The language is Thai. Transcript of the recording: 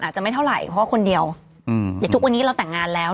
จะไม่เท่าไหร่เพราะว่าคนเดียวเดี๋ยวทุกวันนี้เราแต่งงานแล้ว